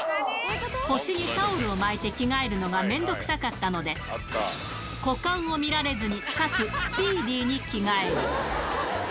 腰にタオルを巻いて着替えるのが面倒くさかったので、股間を見られずに、かつスピーディーに着替える。